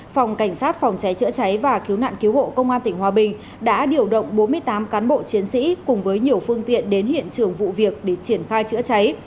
phòng cảnh sát phòng cháy chữa cháy và cứu nạn cứu hộ công an tỉnh hòa bình đã điều động bốn mươi tám cán bộ chiến sĩ cùng với nhiều phương tiện đến hiện trường vụ việc để triển khai chữa cháy